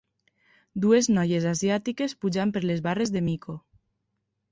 dues noies asiàtiques pujant per les barres de mico.